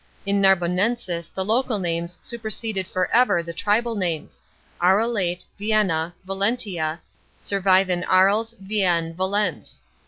In Narbonensis the local names superseded for ever the tribal names ; Arelate, Vienna, Valentia, survive in Aries, Vienne, Valence.